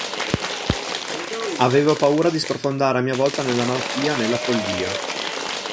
Avevo paura di sprofondare a mia volta nella malattia, nella follia...